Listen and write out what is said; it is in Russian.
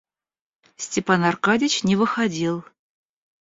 Степан Аркадьич не выходил.